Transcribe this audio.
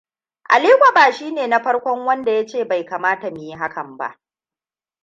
Aliko ba shine na farkon wanda ya ce bai kamata mu yi hakan ba.